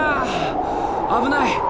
危ない！